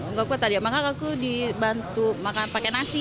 nggak apa apa tadi yang makan aku dibantu makan pakai nasi